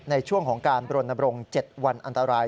ในช่วงของการบรณบรงค์๗วันอันตราย